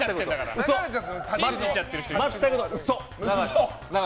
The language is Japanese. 全くの嘘！